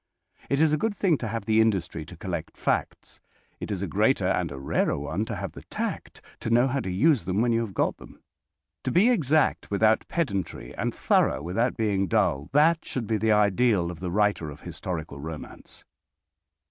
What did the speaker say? It is a good thing to have the industry to collect facts. It is a greater and a rarer one to have the tact to know how to use them when you have got them. To be exact without pedantry, and thorough without being dull, that should be the ideal of the writer of historical romance.